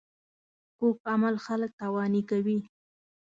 کوږ عمل خلک تاواني کوي